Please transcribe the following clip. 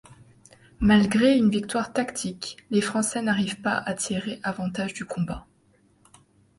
Malgré une victoire tactique, les Français n'arrivent pas à tirer avantage du combat.